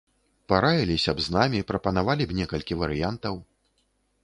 Параіліся б з намі, прапанавалі б некалькі варыянтаў.